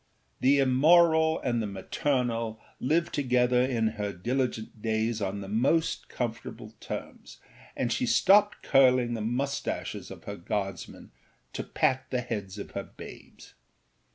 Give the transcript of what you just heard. The immoral and the maternal lived together in her diligent days on the most comfortable terms, and she stopped curling the mustaches of her Guardsmen to pat the heads of her babes.